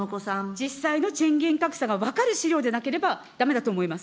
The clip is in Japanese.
実際の賃金格差が分かる資料でなければだめだと思います。